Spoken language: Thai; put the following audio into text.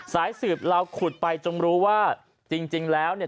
สายสืบเราขุดไปจนรู้ว่าจริงแล้วเนี่ย